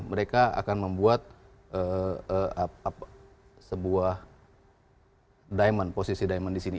mereka akan membuat sebuah posisi diamond disini